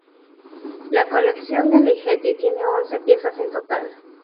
La colección de Ligeti tiene once piezas en total.